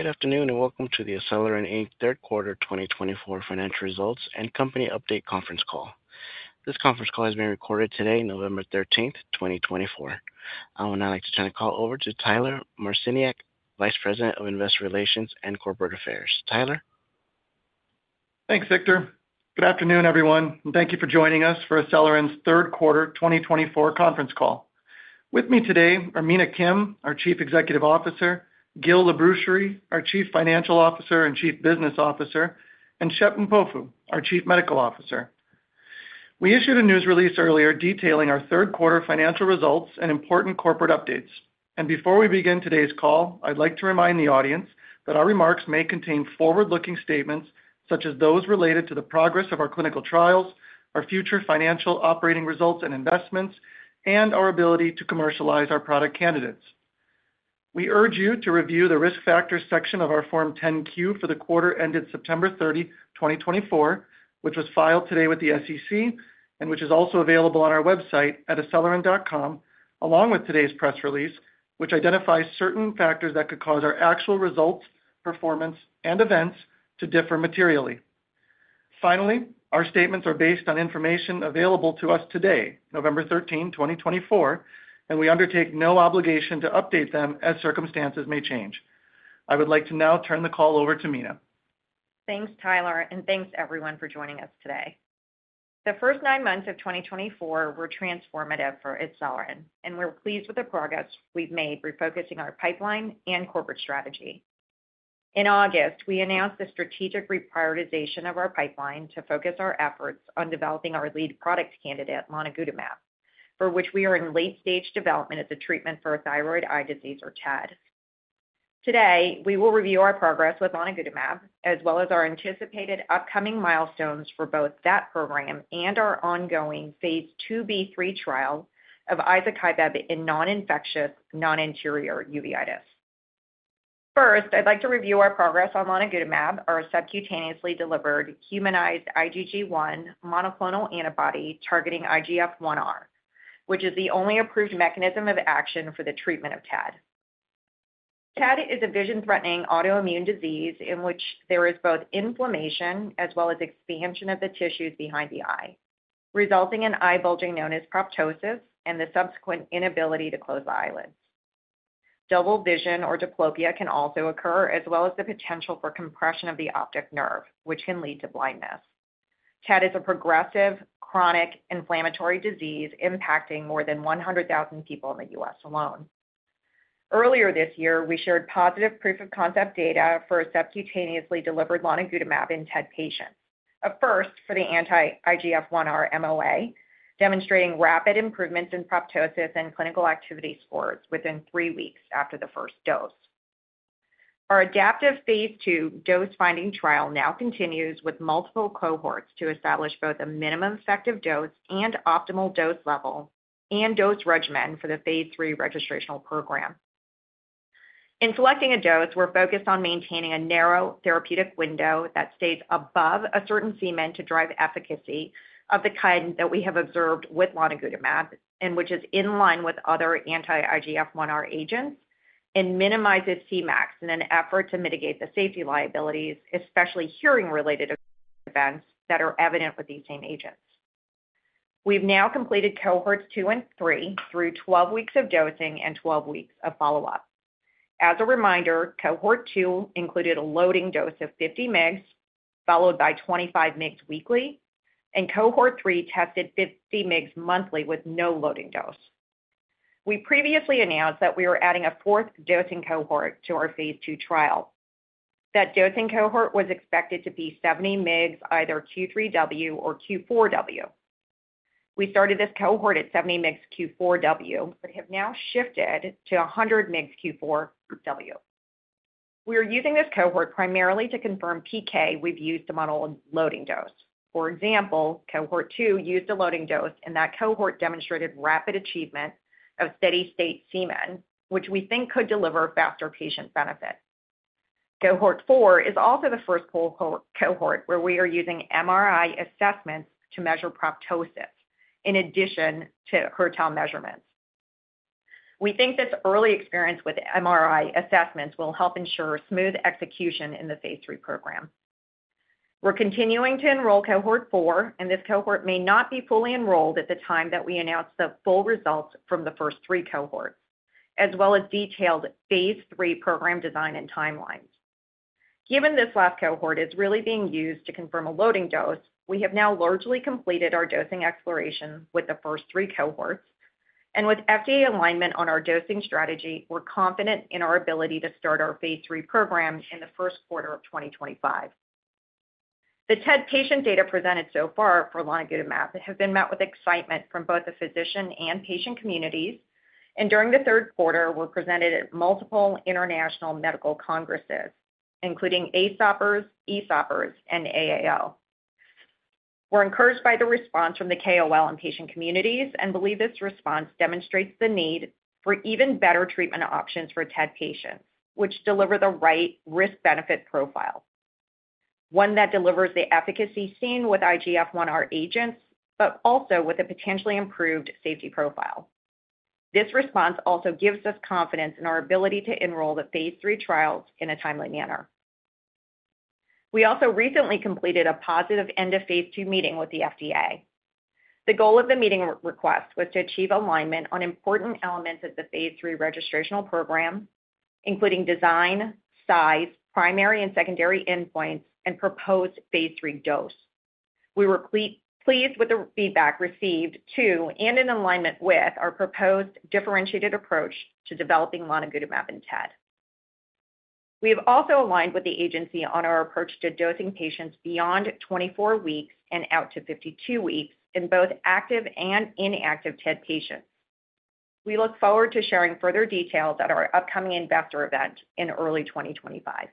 Good afternoon and welcome to the ACELYRIN, Inc. third quarter 2024 financial results and company update conference call. This conference call is being recorded today, November 13th, 2024. I would now like to turn the call over to Tyler Marciniak, Vice President of Investor Relations and Corporate Affairs. Tyler. Thanks, Victor. Good afternoon, everyone, and thank you for joining us for ACELYRIN's third quarter 2024 conference call. With me today are Mina Kim, our Chief Executive Officer, Gil Labrucherie, our Chief Financial Officer and Chief Business Officer, and Shephard Mpofu, our Chief Medical Officer. We issued a news release earlier detailing our third quarter financial results and important corporate updates. And before we begin today's call, I'd like to remind the audience that our remarks may contain forward-looking statements such as those related to the progress of our clinical trials, our future financial operating results and investments, and our ability to commercialize our product candidates. We urge you to review the risk factors section of our Form 10-Q for the quarter ended September 30, 2024, which was filed today with the SEC and which is also available on our website at ACELYRIN.com, along with today's press release, which identifies certain factors that could cause our actual results, performance, and events to differ materially. Finally, our statements are based on information available to us today, November 13, 2024, and we undertake no obligation to update them as circumstances may change. I would like to now turn the call over to Mina. Thanks, Tyler, and thanks, everyone, for joining us today. The first nine months of 2024 were transformative for ACELYRIN, and we're pleased with the progress we've made refocusing our pipeline and corporate strategy. In August, we announced the strategic reprioritization of our pipeline to focus our efforts on developing our lead product candidate, lonigutamab, for which we are in late-stage development as a treatment for thyroid eye disease, or TED. Today, we will review our progress with lonigutamab, as well as our anticipated upcoming milestones for both that program and our ongoing phase II-B3 trial of izokibep in non-infectious, non-anterior uveitis. First, I'd like to review our progress on lonigutamab, our subcutaneously delivered humanized IgG1 monoclonal antibody targeting IGF-1R, which is the only approved mechanism of action for the treatment of TED. TED is a vision-threatening autoimmune disease in which there is both inflammation as well as expansion of the tissues behind the eye, resulting in eye bulging known as proptosis and the subsequent inability to close the eyelids. Double vision, or diplopia, can also occur, as well as the potential for compression of the optic nerve, which can lead to blindness. TED is a progressive, chronic inflammatory disease impacting more than 100,000 people in the U.S. alone. Earlier this year, we shared positive proof-of-concept data for a subcutaneously delivered lonigutamab in TED patients, a first for the anti-IGF-1R MOA, demonstrating rapid improvements in proptosis and clinical activity scores within three weeks after the first dose. Our adaptive phase II dose-finding trial now continues with multiple cohorts to establish both a minimum effective dose and optimal dose level and dose regimen for the phase III registrational program. In selecting a dose, we're focused on maintaining a narrow therapeutic window that stays above a certain Cmin to drive efficacy of the kind that we have observed with lonigutamab, and which is in line with other anti-IGF-1R agents and minimizes Cmax in an effort to mitigate the safety liabilities, especially hearing-related events that are evident with these same agents. We've now completed cohorts two and three through 12 weeks of dosing and 12 weeks of follow-up. As a reminder, Cohort 2 included a loading dose of 50 mg, followed by 25 mg weekly, and Cohort 3 tested 50 mg monthly with no loading dose. We previously announced that we were adding a fourth dosing cohort to our phase II trial. That dosing cohort was expected to be 70 mg, either Q3W or Q4W. We started this cohort at 70 mg Q4W, but have now shifted to 100 mg Q4W. We are using this cohort primarily to confirm PK we've used to model a loading dose. For example, cohort two used a loading dose, and that cohort demonstrated rapid achievement of steady-state Cmin, which we think could deliver faster patient benefit. Cohort 4 is also the first cohort where we are using MRI assessments to measure proptosis in addition to Hertel measurements. We think this early experience with MRI assessments will help ensure smooth execution in the phase III program. We're continuing to enroll Cohort 4, and this cohort may not be fully enrolled at the time that we announce the full results from the first three cohorts, as well as detailed phase III program design and timelines. Given this last cohort is really being used to confirm a loading dose, we have now largely completed our dosing exploration with the first three cohorts, and with FDA alignment on our dosing strategy, we're confident in our ability to start our phase III program in the first quarter of 2025. The TED patient data presented so far for lonigutamab has been met with excitement from both the physician and patient communities, and during the third quarter, we're presented at multiple international medical congresses, including ASCRS, ESCRS, and AAO. We're encouraged by the response from the KOL and patient communities and believe this response demonstrates the need for even better treatment options for TED patients, which deliver the right risk-benefit profile, one that delivers the efficacy seen with IGF-1R agents, but also with a potentially improved safety profile. This response also gives us confidence in our ability to enroll the phase III trials in a timely manner. We also recently completed a positive end-of-phase II meeting with the FDA. The goal of the meeting request was to achieve alignment on important elements of the phase III registrational program, including design, size, primary and secondary endpoints, and proposed phase III dose. We were pleased with the feedback received, too, and in alignment with our proposed differentiated approach to developing lonigutamab in TED. We have also aligned with the agency on our approach to dosing patients beyond 24 weeks and out to 52 weeks in both active and inactive TED patients. We look forward to sharing further details at our upcoming investor event in early 2025.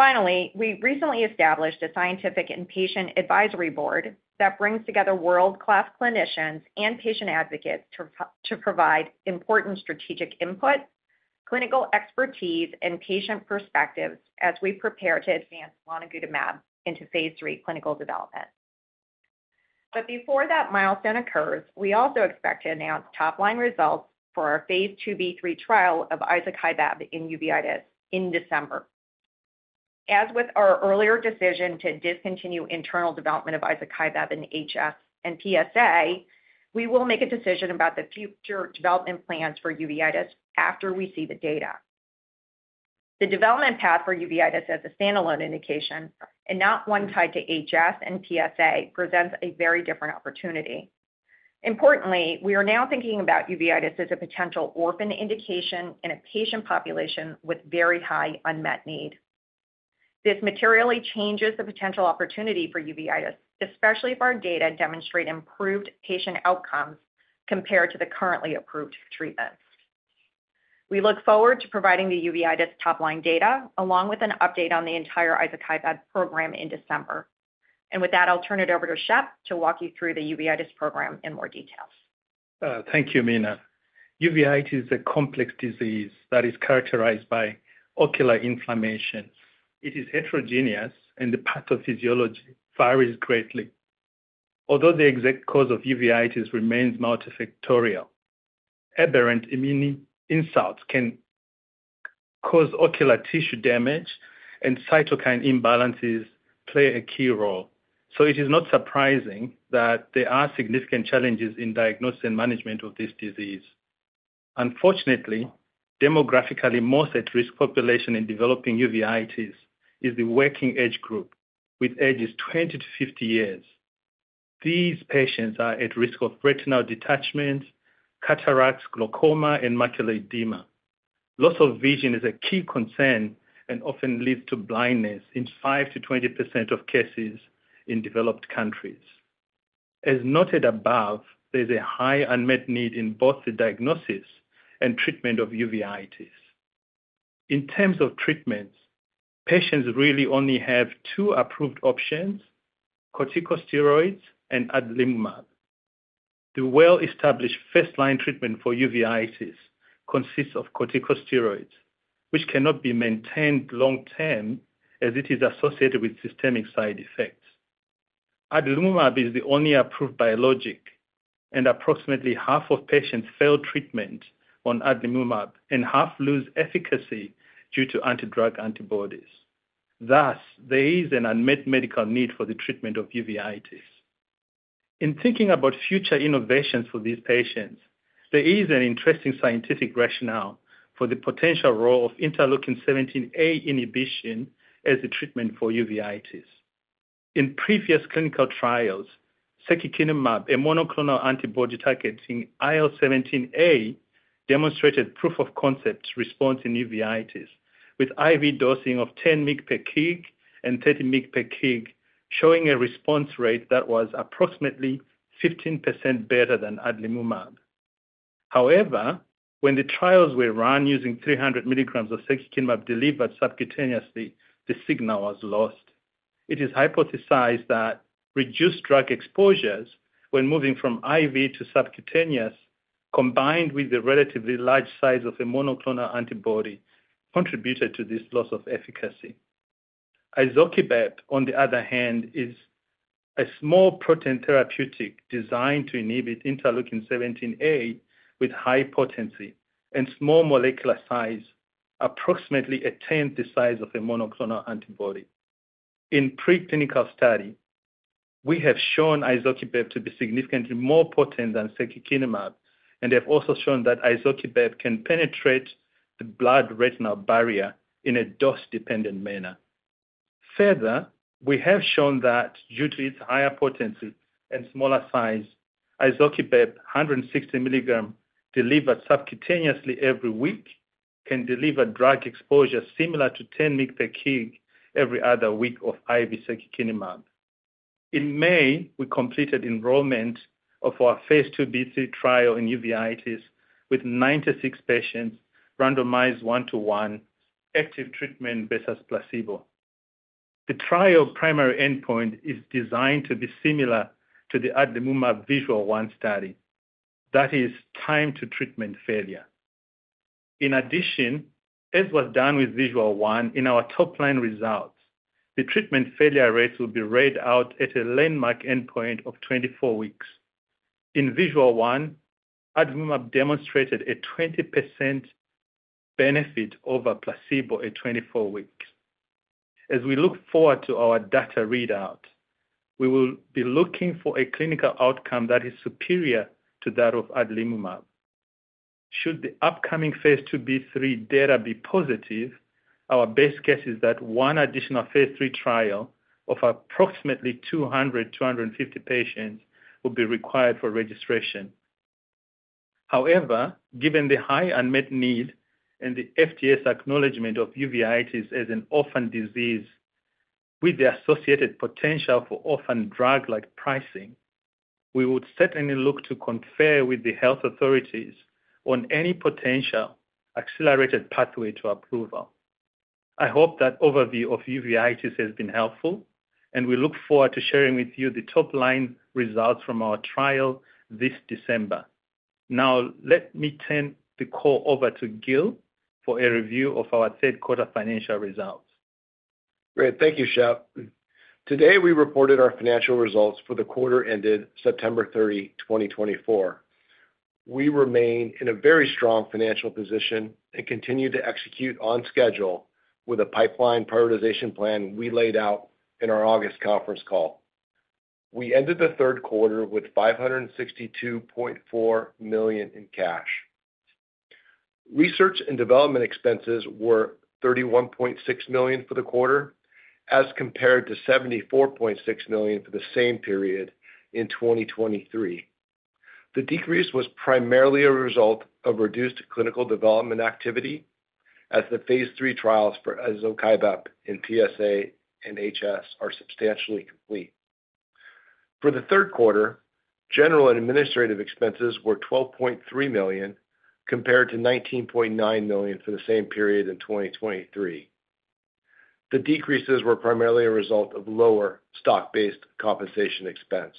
Finally, we recently established a scientific and patient advisory board that brings together world-class clinicians and patient advocates to provide important strategic input, clinical expertise, and patient perspectives as we prepare to advance lonigutamab into phase III clinical development. But before that milestone occurs, we also expect to announce top-line results for our phase II-B3 trial of izokibep in uveitis in December. As with our earlier decision to discontinue internal development of izokibep in HS and PSA, we will make a decision about the future development plans for uveitis after we see the data. The development path for uveitis as a standalone indication and not one tied to HS and PSA presents a very different opportunity. Importantly, we are now thinking about uveitis as a potential orphan indication in a patient population with very high unmet need. This materially changes the potential opportunity for uveitis, especially if our data demonstrate improved patient outcomes compared to the currently approved treatments. We look forward to providing the uveitis top-line data along with an update on the entire izokibep program in December. With that, I'll turn it over to Shep to walk you through the uveitis program in more detail. Thank you, Mina. Uveitis is a complex disease that is characterized by ocular inflammation. It is heterogeneous, and the pathophysiology varies greatly. Although the exact cause of uveitis remains multifactorial, aberrant immune insults can cause ocular tissue damage, and cytokine imbalances play a key role. So it is not surprising that there are significant challenges in diagnosis and management of this disease. Unfortunately, demographically, the most at-risk population in developing uveitis is the working-age group, with ages 20-50 years. These patients are at risk of retinal detachment, cataracts, glaucoma, and Macular Edema. Loss of vision is a key concern and often leads to blindness in 5%-20% of cases in developed countries. As noted above, there is a high unmet need in both the diagnosis and treatment of uveitis. In terms of treatments, patients really only have two approved options: corticosteroids and Adalimumab. The well-established first-line treatment for uveitis consists of corticosteroids, which cannot be maintained long-term as it is associated with systemic side effects. Adalimumab is the only approved biologic, and approximately half of patients fail treatment on Adalimumab and half lose efficacy due to antidrug antibodies. Thus, there is an unmet medical need for the treatment of uveitis. In thinking about future innovations for these patients, there is an interesting scientific rationale for the potential role of interleukin-17A inhibition as a treatment for uveitis. In previous clinical trials, secukinumab, a monoclonal antibody targeting IL-17A, demonstrated proof-of-concept response in uveitis with IV dosing of 10 mg per kg and 30 mg per kg, showing a response rate that was approximately 15% better than Adalimumab. However, when the trials were run using 300 mg of secukinumab delivered subcutaneously, the signal was lost. It is hypothesized that reduced drug exposures when moving from IV to subcutaneous, combined with the relatively large size of a monoclonal antibody, contributed to this loss of efficacy. Izokibep, on the other hand, is a small protein therapeutic designed to inhibit interleukin-17A with high potency and small molecular size, approximately a tenth the size of a monoclonal antibody. In preclinical study, we have shown izokibep to be significantly more potent than secukinumab, and they have also shown that izokibep can penetrate the blood-retinal barrier in a dose-dependent manner. Further, we have shown that due to its higher potency and smaller size, izokibep 160 mg delivered subcutaneously every week can deliver drug exposure similar to 10 mg per kg every other week of IV secukinumab. In May, we completed enrollment of our phase II-B3 trial in uveitis with 96 patients, randomized one-to-one, active treatment versus placebo. The trial primary endpoint is designed to be similar to the adalimumab VISUAL I study, that is, time to treatment failure. In addition, as was done with VISUAL I, in our top-line results, the treatment failure rates will be read out at a landmark endpoint of 24 weeks. In VISUAL I, adalimumab demonstrated a 20% benefit over placebo at 24 weeks. As we look forward to our data readout, we will be looking for a clinical outcome that is superior to that of adalimumab. Should the upcoming phase II-B3 data be positive, our best guess is that one additional phase III trial of approximately 200-250 patients will be required for registration. However, given the high unmet need and the FDA's acknowledgment of uveitis as an orphan disease with the associated potential for orphan drug-like pricing, we would certainly look to confer with the health authorities on any potential accelerated pathway to approval. I hope that overview of uveitis has been helpful, and we look forward to sharing with you the top-line results from our trial this December. Now, let me turn the call over to Gil for a review of our third-quarter financial results. Great. Thank you, Shep. Today, we reported our financial results for the quarter ended September 30, 2024. We remain in a very strong financial position and continue to execute on schedule with a pipeline prioritization plan we laid out in our August conference call. We ended the third quarter with $562.4 million in cash. Research and development expenses were $31.6 million for the quarter, as compared to $74.6 million for the same period in 2023. The decrease was primarily a result of reduced clinical development activity, as the phase III trials for izokibep in PSA and HS are substantially complete. For the third quarter, general and administrative expenses were $12.3 million compared to $19.9 million for the same period in 2023. The decreases were primarily a result of lower stock-based compensation expense.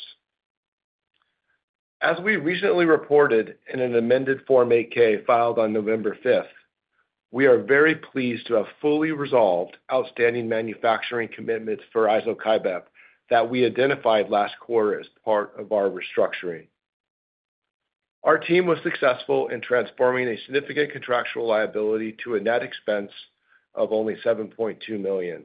As we recently reported in an amended Form 8-K filed on November 5th, we are very pleased to have fully resolved outstanding manufacturing commitments for izokibep that we identified last quarter as part of our restructuring. Our team was successful in transforming a significant contractual liability to a net expense of only $7.2 million.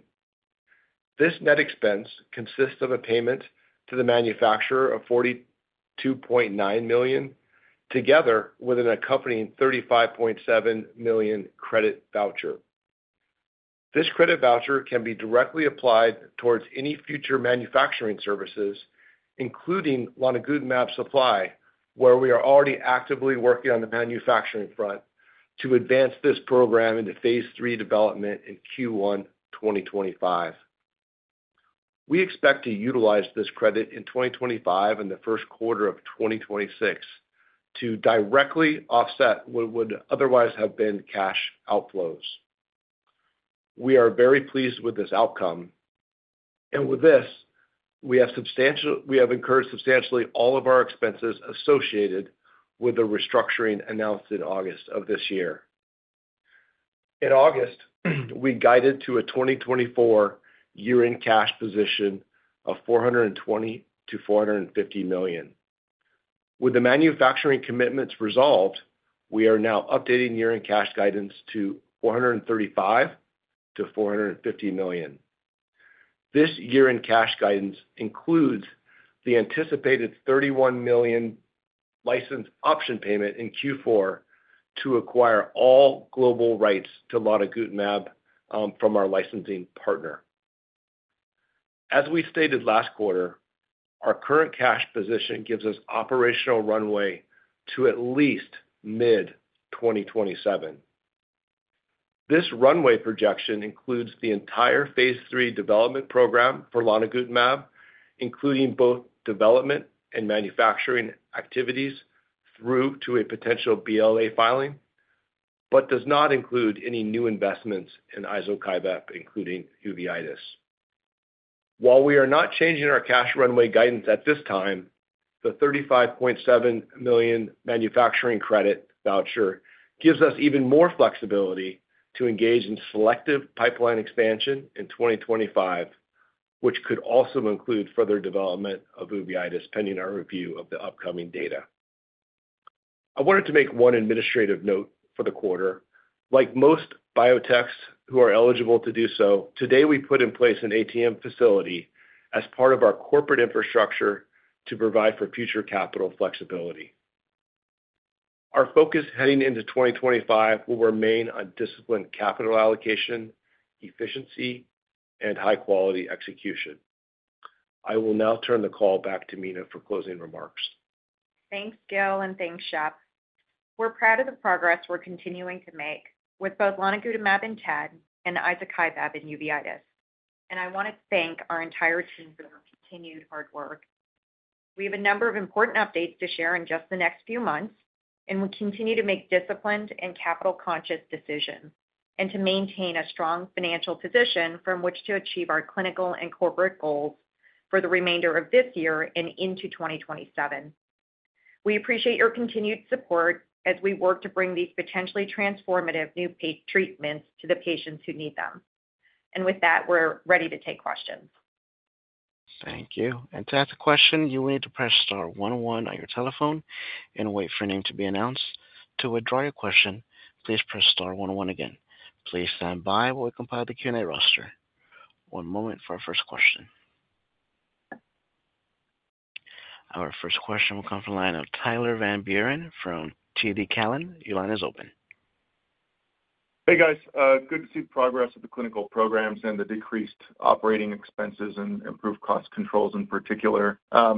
This net expense consists of a payment to the manufacturer of $42.9 million, together with an accompanying $35.7 million credit voucher. This credit voucher can be directly applied towards any future manufacturing services, including lonigutamab supply, where we are already actively working on the manufacturing front to advance this program into phase III development in Q1 2025. We expect to utilize this credit in 2025 and the first quarter of 2026 to directly offset what would otherwise have been cash outflows. We are very pleased with this outcome. With this, we have incurred substantially all of our expenses associated with the restructuring announced in August of this year. In August, we guided to a 2024 year-end cash position of $420 million-$450 million. With the manufacturing commitments resolved, we are now updating year-end cash guidance to $435 million-$450 million. This year-end cash guidance includes the anticipated $31 million license option payment in Q4 to acquire all global rights to lonigutamab from our licensing partner. As we stated last quarter, our current cash position gives us operational runway to at least mid-2027. This runway projection includes the entire phase III development program for lonigutamab, including both development and manufacturing activities through to a potential BLA filing, but does not include any new investments in izokibep including uveitis. While we are not changing our cash runway guidance at this time, the $35.7 million manufacturing credit voucher gives us even more flexibility to engage in selective pipeline expansion in 2025, which could also include further development of uveitis pending our review of the upcoming data. I wanted to make one administrative note for the quarter. Like most biotechs who are eligible to do so, today we put in place an ATM facility as part of our corporate infrastructure to provide for future capital flexibility. Our focus heading into 2025 will remain on disciplined capital allocation, efficiency, and high-quality execution. I will now turn the call back to Mina for closing remarks. Thanks, Gil, and thanks, Shep. We're proud of the progress we're continuing to make with both lonigutamab in TED and izokibep in uveitis. And I want to thank our entire team for their continued hard work. We have a number of important updates to share in just the next few months, and we continue to make disciplined and capital-conscious decisions and to maintain a strong financial position from which to achieve our clinical and corporate goals for the remainder of this year and into 2027. We appreciate your continued support as we work to bring these potentially transformative new treatments to the patients who need them. And with that, we're ready to take questions. Thank you. And to ask a question, you will need to press star one one on your telephone and wait for a name to be announced. To withdraw your question, please press star one one again. Please stand by while we compile the Q&A roster. One moment for our first question. Our first question will come from the line of Tyler Van Buren from TD Cowen. Your line is open. Hey, guys. Good to see progress with the clinical programs and the decreased operating expenses and improved cost controls in particular. I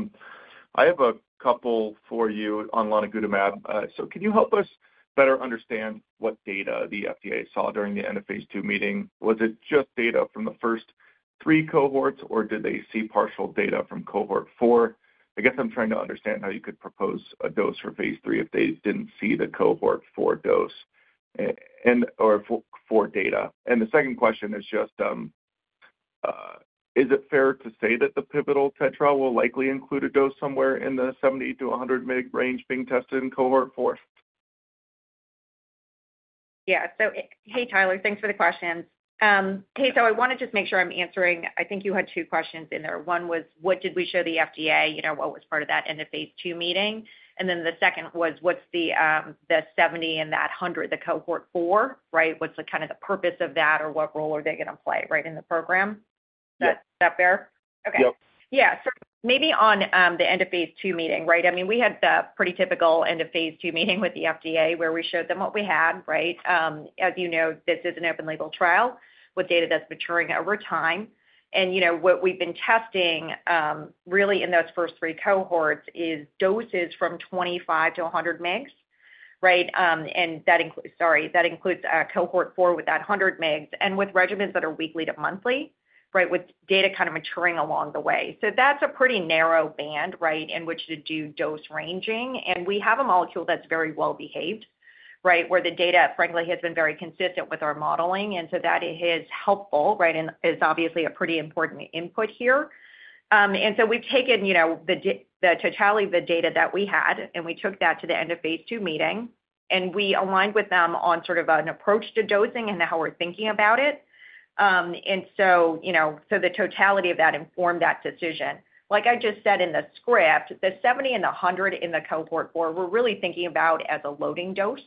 have a couple for you on lonigutamab. So can you help us better understand what data the FDA saw during the end of phase II meeting? Was it just data from the first three cohorts, or did they see partial data from Cohort 4? I guess I'm trying to understand how you could propose a dose for phase III if they didn't see the Cohort 4 dose or four data. And the second question is just, is it fair to say that the pivotal TED will likely include a dose somewhere in the 70 mg-100 mg range being tested in Cohort 4? Yeah. So hey, Tyler, thanks for the questions. Okay. So I want to just make sure I'm answering. I think you had two questions in there. One was, what did we show the FDA? What was part of that end of phase II meeting? And then the second was, what's the 70 mg and that 100 mg, the Cohort 4, right? What's kind of the purpose of that, or what role are they going to play, right, in the program? Is that fair? Yep. Okay. Yeah. So maybe on the end of phase II meeting, right? I mean, we had the pretty typical end of phase II meeting with the FDA where we showed them what we had, right? As you know, this is an open-label trial with data that's maturing over time. And what we've been testing really in those first three cohorts is doses from 25 mg-100 mg, right? And sorry, that includes Cohort 4 with that 100 mg and with regimens that are weekly to monthly, right, with data kind of maturing along the way. So that's a pretty narrow band, right, in which to do dose ranging. And we have a molecule that's very well-behaved, right, where the data, frankly, has been very consistent with our modeling. And so that is helpful, right, and is obviously a pretty important input here. And so we've taken the totality of the data that we had, and we took that to the end of phase II meeting, and we aligned with them on sort of an approach to dosing and how we're thinking about it. And so the totality of that informed that decision. Like I just said in the script, the 70 mg and the 100 mg in the Cohort 4, we're really thinking about as a loading dose,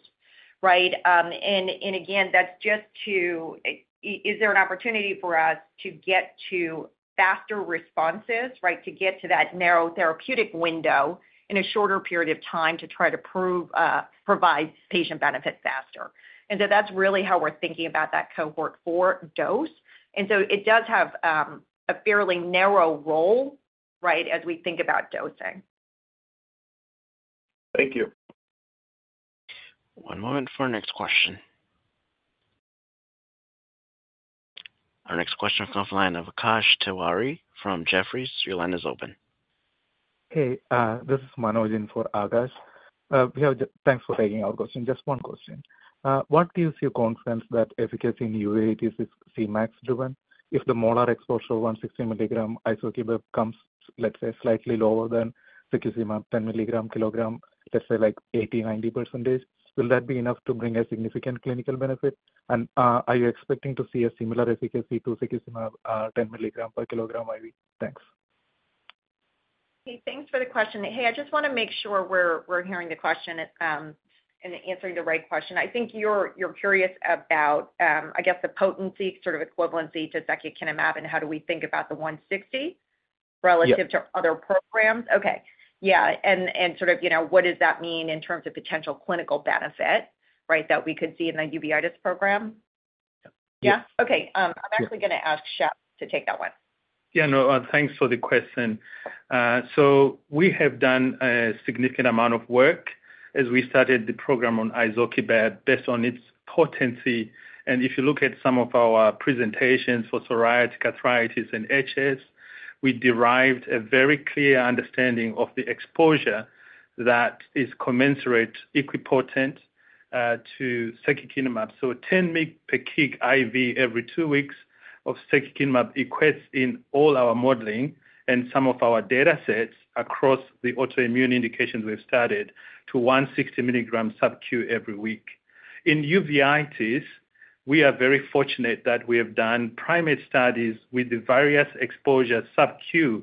right? And again, that's just to is there an opportunity for us to get to faster responses, right, to get to that narrow therapeutic window in a shorter period of time to try to provide patient benefit faster? And so that's really how we're thinking about that Cohort 4 dose. And so it does have a fairly narrow role, right, as we think about dosing. Thank you. One moment for our next question. Our next question will come from the line of Akash Tewari from Jefferies. Your line is open. Hey, this is Manoj in for Akash. Thanks for taking our question. Just one question. What do you see a confidence that efficacy in uveitis is Cmax-driven? If the molar exposure of 160 mg izokibep comes, let's say, slightly lower than secukinumab 10 mg per kilogram, let's say like 80%-90%, will that be enough to bring a significant clinical benefit? And are you expecting to see a similar efficacy to secukinumab 10 mg per kilogram, IV? Thanks. Hey, thanks for the question. Hey, I just want to make sure we're hearing the question and answering the right question. I think you're curious about, I guess, the potency, sort of equivalency to secukinumab, and how do we think about the 160 mg relative to other programs? Okay. Yeah. And sort of what does that mean in terms of potential clinical benefit, right, that we could see in the uveitis program? Yeah? Okay. I'm actually going to ask Shep to take that one. Yeah. No, thanks for the question. So we have done a significant amount of work as we started the program on izokibep based on its potency, and if you look at some of our presentations for psoriatic arthritis and HS, we derived a very clear understanding of the exposure that is commensurate, equipotent to secukinumab. So 10 mg/kg IV every two weeks of secukinumab equates in all our modeling and some of our datasets across the autoimmune indications we've started to 160 mg subcu every week. In uveitis, we are very fortunate that we have done primate studies with the various exposures subcu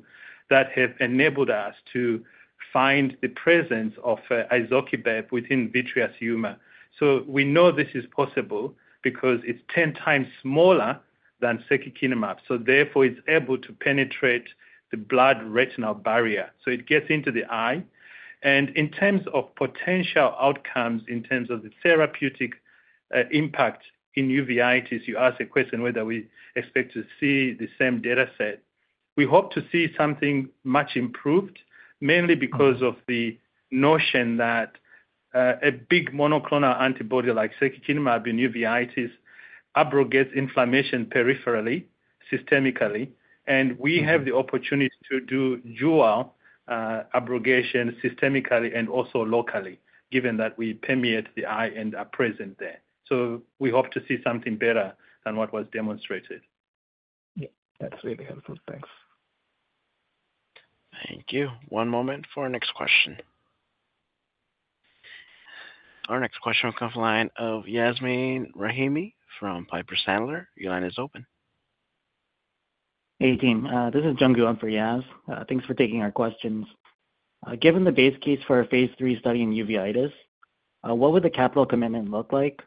that have enabled us to find the presence of izokibep within vitreous humor. So we know this is possible because it's 10 times smaller than secukinumab, so therefore, it's able to penetrate the blood-retinal barrier, so it gets into the eye. And in terms of potential outcomes, in terms of the therapeutic impact in uveitis, you asked a question whether we expect to see the same dataset. We hope to see something much improved, mainly because of the notion that a big monoclonal antibody like secukinumab in uveitis abrogates inflammation peripherally, systemically. And we have the opportunity to do dual abrogation systemically and also locally, given that we permeate the eye and are present there. So we hope to see something better than what was demonstrated. Yeah. That's really helpful. Thanks. Thank you. One moment for our next question. Our next question will come from the line of Yasmeen Rahimi from Piper Sandler. Your line is open. Hey, team. This is Jung-gyu for Yas. Thanks for taking our questions. Given the base case for a phase III study in uveitis, what would the capital commitment look like?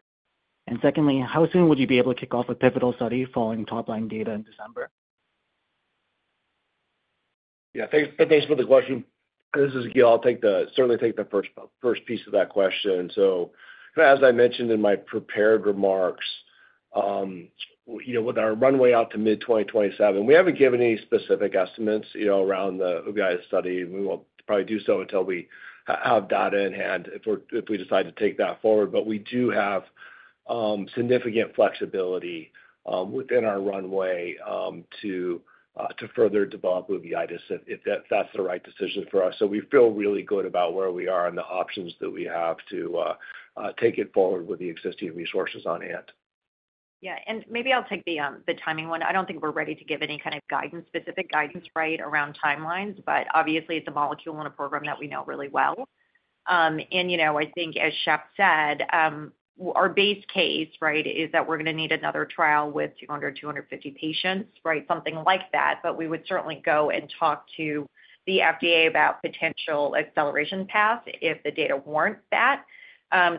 And secondly, how soon would you be able to kick off a pivotal study following top-line data in December? Yeah. Thanks for the question. This is Gil. I'll certainly take the first piece of that question. So as I mentioned in my prepared remarks, with our runway out to mid-2027, we haven't given any specific estimates around the uveitis study. We won't probably do so until we have data in hand if we decide to take that forward. But we do have significant flexibility within our runway to further develop uveitis if that's the right decision for us. So we feel really good about where we are and the options that we have to take it forward with the existing resources on hand. Yeah. And maybe I'll take the timing one. I don't think we're ready to give any kind of specific guidance, right, around timelines. But obviously, it's a molecule in a program that we know really well. And I think, as Shep said, our base case, right, is that we're going to need another trial with 200, 250 patients, right, something like that. But we would certainly go and talk to the FDA about potential acceleration paths if the data warrant that.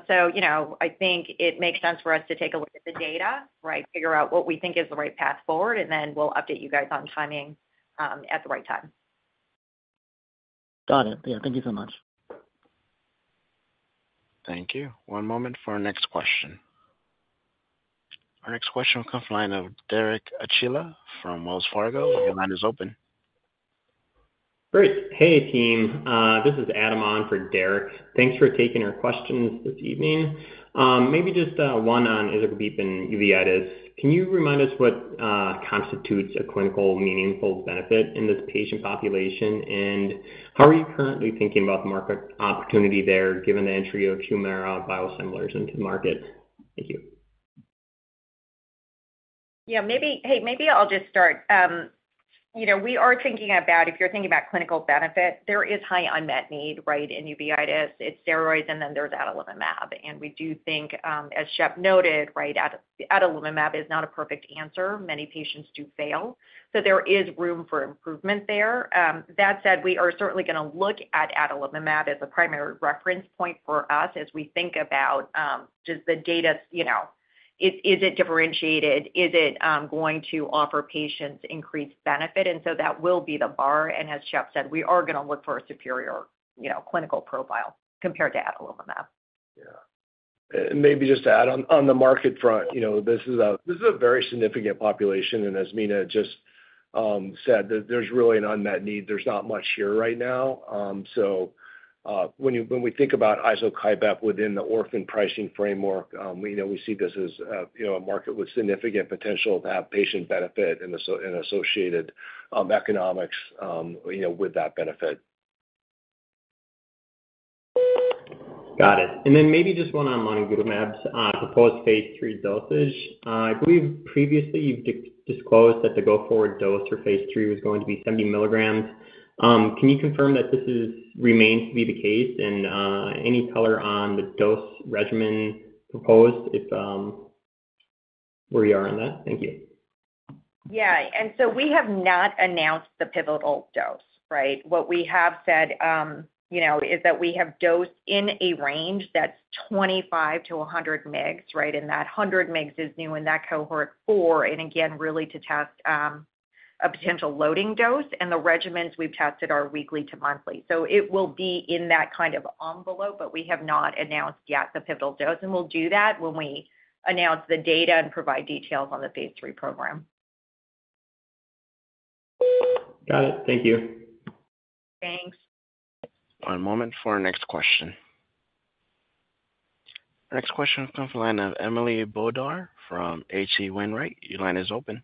So I think it makes sense for us to take a look at the data, right, figure out what we think is the right path forward, and then we'll update you guys on timing at the right time. Got it. Yeah. Thank you so much. Thank you. One moment for our next question. Our next question will come from the line of Derek Archila from Wells Fargo. Your line is open. Great. Hey, team. This is Adam Ahn for Derek. Thanks for taking our questions this evening. Maybe just one on izokibep in uveitis. Can you remind us what constitutes a clinical meaningful benefit in this patient population? And how are you currently thinking about the market opportunity there given the entry of HUMIRA biosimilars into the market? Thank you. Yeah. Hey, maybe I'll just start. We are thinking about, if you're thinking about clinical benefit, there is high unmet need, right, in uveitis. It's steroids, and then there's adalimumab, and we do think, as Shep noted, right, adalimumab is not a perfect answer. Many patients do fail. So there is room for improvement there. That said, we are certainly going to look at adalimumab as a primary reference point for us as we think about just the data. Is it differentiated? Is it going to offer patients increased benefit, and so that will be the bar, and as Shep said, we are going to look for a superior clinical profile compared to adalimumab. Yeah. And maybe just to add on the market front, this is a very significant population. And as Mina just said, there's really an unmet need. There's not much here right now. So when we think about izokibep within the orphan pricing framework, we see this as a market with significant potential to have patient benefit and associated economics with that benefit. Got it. And then maybe just one on lonigutamab's proposed phase III dosage. I believe previously you've disclosed that the go-forward dose for phase III was going to be 70 mg. Can you confirm that this remains to be the case? And any color on the dose regimen proposed where you are on that? Thank you. Yeah. And so we have not announced the pivotal dose, right? What we have said is that we have dosed in a range that's 25 mg-100 mg, right? And that 100 mg is new in that Cohort 4, and again, really to test a potential loading dose. And the regimens we've tested are weekly to monthly. So it will be in that kind of envelope, but we have not announced yet the pivotal dose. And we'll do that when we announce the data and provide details on the phase III program. Got it. Thank you. Thanks. One moment for our next question. Our next question will come from the line of Emily Bodnar from H.C. Wainwright. Your line is open.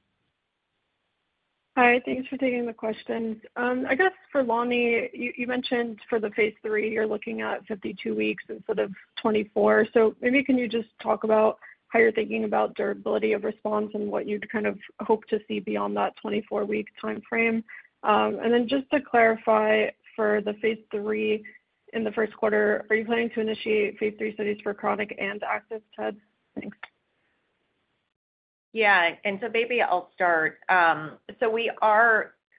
Hi. Thanks for taking the question. I guess for lonigutamab, you mentioned for the phase III, you're looking at 52 weeks instead of 24. So maybe can you just talk about how you're thinking about durability of response and what you'd kind of hope to see beyond that 24-week timeframe? And then just to clarify, for the phase III in the first quarter, are you planning to initiate phase III studies for chronic and active TEDs? Thanks. Yeah. And so maybe I'll start. So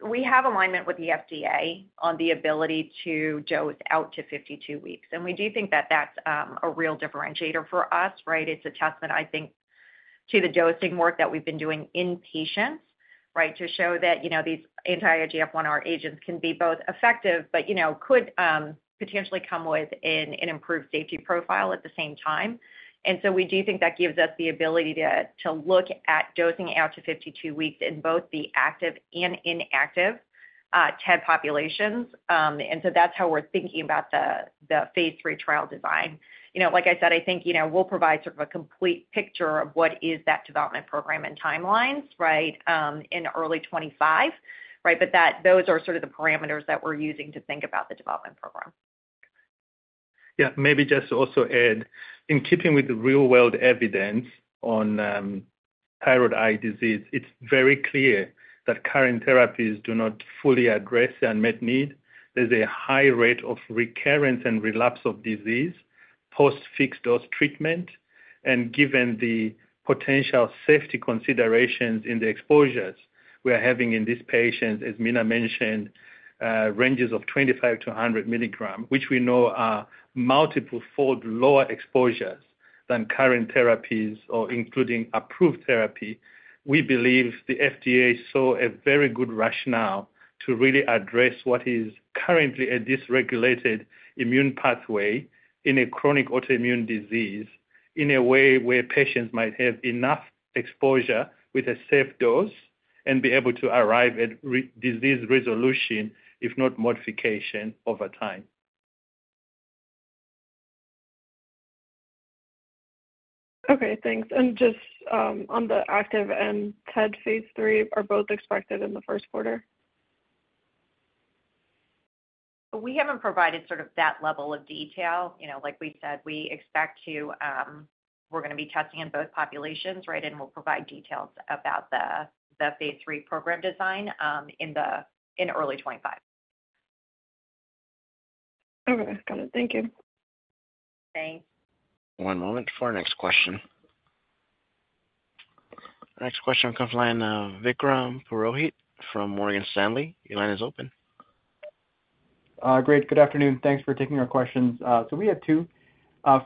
we have alignment with the FDA on the ability to dose out to 52 weeks. And we do think that that's a real differentiator for us, right? It's a testament, I think, to the dosing work that we've been doing in patients, right, to show that these anti-IGF-1R agents can be both effective but could potentially come with an improved safety profile at the same time. And so we do think that gives us the ability to look at dosing out to 52 weeks in both the active and inactive TED populations. And so that's how we're thinking about the phase III trial design. Like I said, I think we'll provide sort of a complete picture of what is that development program and timelines, right, in early 2025, right? But those are sort of the parameters that we're using to think about the development program. Yeah. Maybe just to also add, in keeping with the real-world evidence on thyroid eye disease, it's very clear that current therapies do not fully address the unmet need. There's a high rate of recurrence and relapse of disease post-fixed dose treatment. And given the potential safety considerations in the exposures we are having in these patients, as Mina mentioned, ranges of 25 mg-100 mg, which we know are multiple-fold lower exposures than current therapies or including approved therapy, we believe the FDA saw a very good rationale to really address what is currently a dysregulated immune pathway in a chronic autoimmune disease in a way where patients might have enough exposure with a safe dose and be able to arrive at disease resolution, if not modification, over time. Okay. Thanks, and just on the active and TED phase III are both expected in the first quarter? We haven't provided sort of that level of detail. Like we said, we're going to be testing in both populations, right? We'll provide details about the phase III program design in early 2025. Okay. Got it. Thank you. Thanks. One moment for our next question. Our next question will come from the line of Vikram Purohit from Morgan Stanley. Your line is open. Great. Good afternoon. Thanks for taking our questions. So we have two.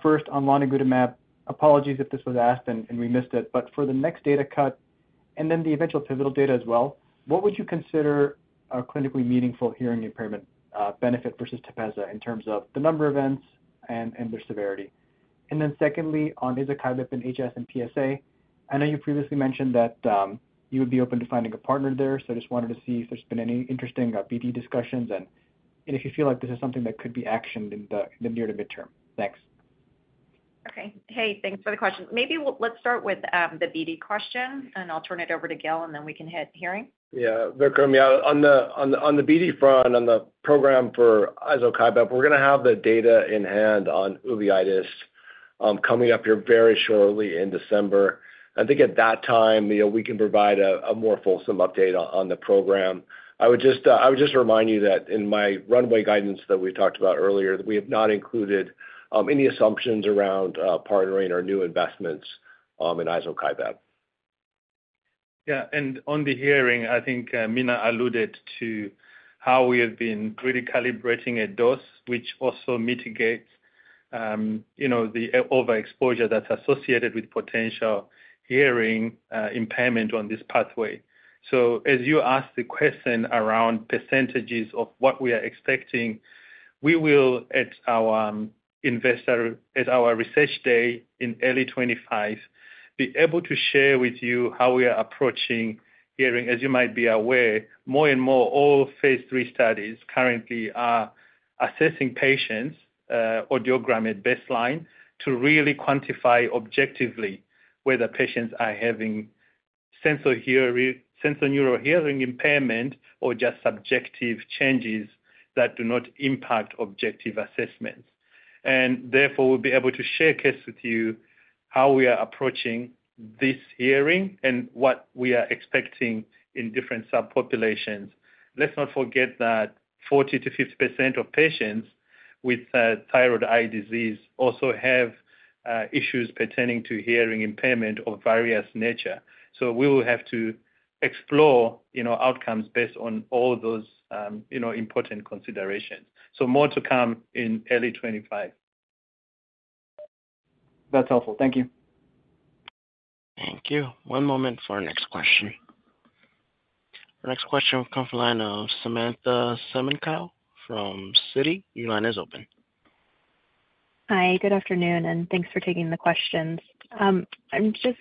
First, on lonigutamab, apologies if this was asked and we missed it. But for the next data cut and then the eventual pivotal data as well, what would you consider a clinically meaningful hearing impairment benefit versus TEPEZZA in terms of the number of events and their severity? And then secondly, on izokibep in HS and PSA, I know you previously mentioned that you would be open to finding a partner there. So I just wanted to see if there's been any interesting BD discussions and if you feel like this is something that could be actioned in the near to midterm. Thanks. Okay. Hey, thanks for the question. Maybe let's start with the BD question, and I'll turn it over to Gil, and then we can hit hearing. Yeah. Vikram, yeah. On the BD front, on the program for izokibep, we're going to have the data in hand on uveitis coming up here very shortly in December. I think at that time, we can provide a more fulsome update on the program. I would just remind you that in my runway guidance that we've talked about earlier, we have not included any assumptions around partnering or new investments in izokibep. Yeah. And on the hearing, I think Mina alluded to how we have been really calibrating a dose which also mitigates the overexposure that's associated with potential hearing impairment on this pathway. So as you asked the question around percentages of what we are expecting, we will, at our research day in early 2025, be able to share with you how we are approaching hearing. As you might be aware, more and more, all phase III studies currently are assessing patients' audiogram at baseline to really quantify objectively whether patients are having sensorineural hearing impairment or just subjective changes that do not impact objective assessments. And therefore, we'll be able to share data with you how we are approaching this hearing and what we are expecting in different subpopulations. Let's not forget that 40%-50% of patients with thyroid eye disease also have issues pertaining to hearing impairment of various nature. So we will have to explore outcomes based on all those important considerations. So more to come in early 2025. That's helpful. Thank you. Thank you. One moment for our next question. Our next question will come from the line of Samantha Semenkow from Citi. Your line is open. Hi. Good afternoon, and thanks for taking the questions. I'm just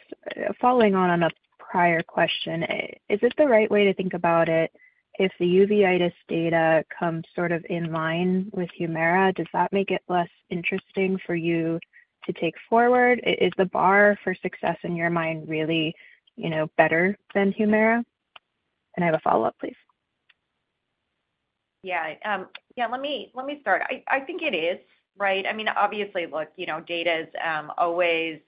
following on a prior question. Is it the right way to think about it if the uveitis data comes sort of in line with HUMIRA? Does that make it less interesting for you to take forward? Is the bar for success in your mind really better than HUMIRA? And I have a follow-up, please. Yeah. Yeah. Let me start. I think it is, right? I mean, obviously, look, data always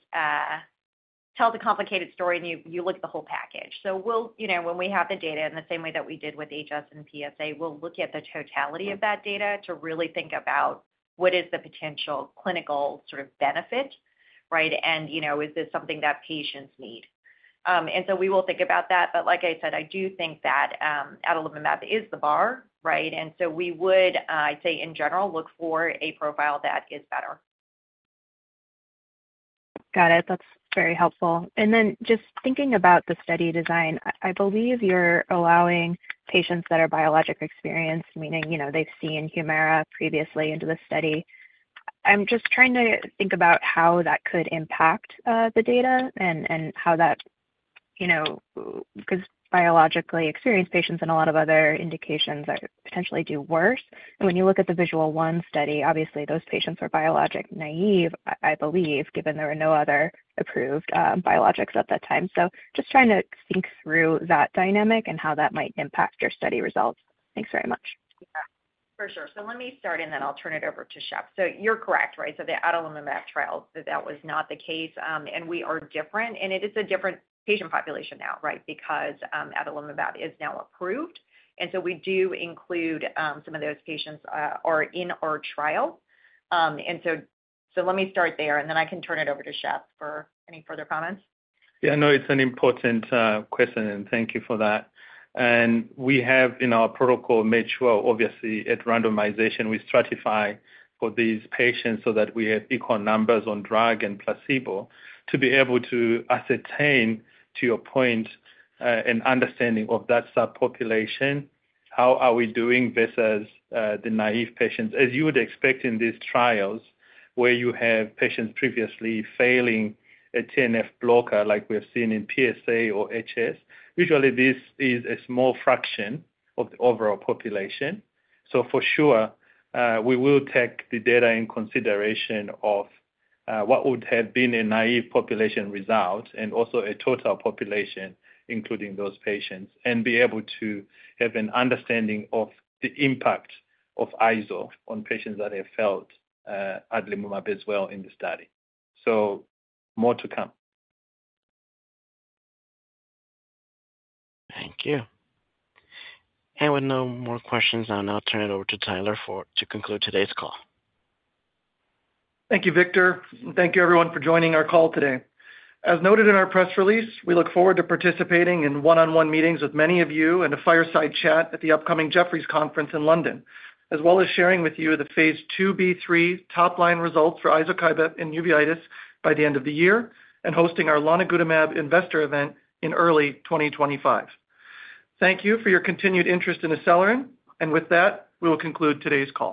tells a complicated story, and you look at the whole package. So when we have the data in the same way that we did with HS and PSA, we'll look at the totality of that data to really think about what is the potential clinical sort of benefit, right? And is this something that patients need? And so we will think about that. But like I said, I do think that Adalimumab is the bar, right? And so we would, I'd say, in general, look for a profile that is better. Got it. That's very helpful. And then just thinking about the study design, I believe you're allowing patients that are biologically experienced, meaning they've seen HUMIRA previously, into the study. I'm just trying to think about how that could impact the data and how that, because biologically experienced patients in a lot of other indications potentially do worse. And when you look at the VISUAL I study, obviously, those patients were biologically naive, I believe, given there were no other approved biologics at that time. So just trying to think through that dynamic and how that might impact your study results. Thanks very much. Yeah. For sure. So let me start, and then I'll turn it over to Shep. So you're correct, right? So the Adalimumab trial, that was not the case. And we are different. And it is a different patient population now, right, because Adalimumab is now approved. And so we do include some of those patients who are in our trial. And so let me start there. And then I can turn it over to Shep for any further comments. Yeah. No, it's an important question. And thank you for that. And we have in our protocol made sure, obviously, at randomization, we stratify for these patients so that we have equal numbers on drug and placebo to be able to ascertain, to your point, an understanding of that subpopulation, how are we doing versus the naive patients. As you would expect in these trials where you have patients previously failing a TNF blocker like we have seen in PSA or HS, usually this is a small fraction of the overall population. So for sure, we will take the data in consideration of what would have been a naive population result and also a total population, including those patients, and be able to have an understanding of the impact of izokibep on patients that have failed adalimumab as well in the study. So more to come. Thank you, and with no more questions, I'll turn it over to Tyler to conclude today's call. Thank you, Victor. And thank you, everyone, for joining our call today. As noted in our press release, we look forward to participating in one-on-one meetings with many of you and a fireside chat at the upcoming Jefferies Conference in London, as well as sharing with you the phase II-B3 top-line results for izokibep in uveitis by the end of the year and hosting our lonigutamab investor event in early 2025. Thank you for your continued interest in ACELYRIN and with that, we will conclude today's call.